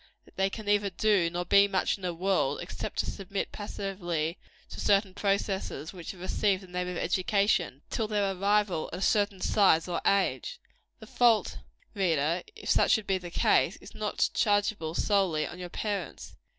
that they can neither do nor be much in the world, except to submit passively to certain processes which have received the name of education, till their arrival at a certain size or age. The fault, reader if such should be the case is not chargeable, solely, on your parents.